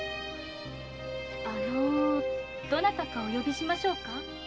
どなたかお呼びしましょうか？